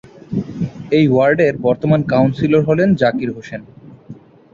এ ওয়ার্ডের বর্তমান কাউন্সিলর হলেন জাকির হোসেন।